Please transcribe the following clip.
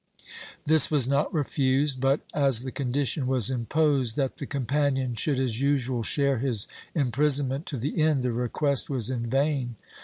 This was not refused but, as the con dition was imposed that the companion should as usual share his imprisonment to the end, the request was in vain.